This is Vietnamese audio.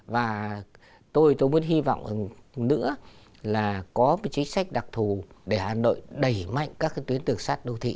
và tôi muốn hy vọng nữa là có một chính sách đặc thù để hà nội đẩy mạnh các tuyến tường sát đô thị